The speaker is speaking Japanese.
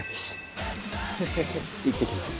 いってきます。